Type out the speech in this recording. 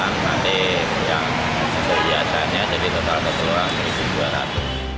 nanti yang hiasannya jadi total ke seluruh dua ratus an